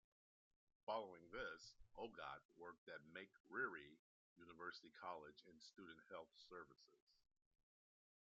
Following this, Ogot worked at Makerere University College in Student Health Services.